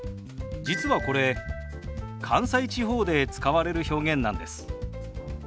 実はこれ関西地方で使われる表現なんです。